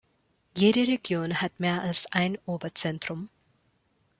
Jede Region hat mehr als ein Oberzentrum.